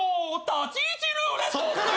立ち位置ルーレットスタート！